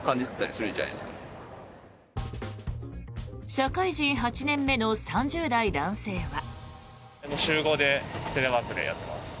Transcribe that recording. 社会人８年目の３０代男性は。